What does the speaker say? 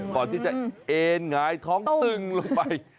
ก่อนที่จะเอ็นหงายท้องตึ้งลงไป